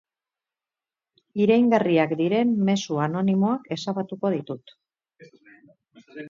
Iraingarriak diren mezu anonimoak ezabatuko ditut.